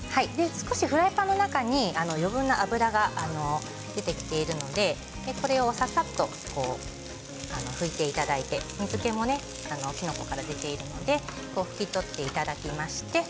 少しフライパンの中に余分な脂が出てきているのでこれをささっと拭いていただいて水けも、きのこから出ているので拭き取っていただきます。